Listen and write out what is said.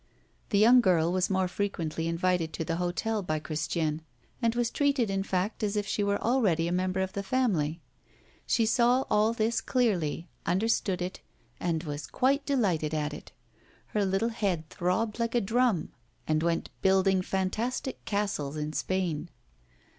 The young girl was more frequently invited to the hotel by Christiane, and was treated in fact as if she were already a member of the family. She saw all this clearly, understood it, and was quite delighted at it. Her little head throbbed like a drum, and went building fantastic castles in Spain.